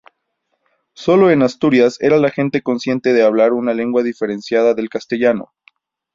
Sólo en Asturias era la gente consciente de hablar una lengua diferenciada del castellano.